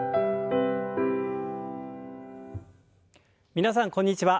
皆さんこんにちは。